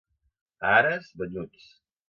A Ares, banyuts.